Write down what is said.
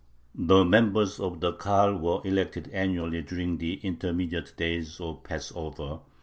The members of the Kahal were elected annually during the intermediate days of Passover.